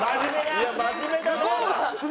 いや真面目だね。